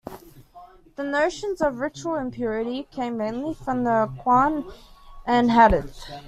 The notions of ritual impurity come mainly from the Qur'an and hadith.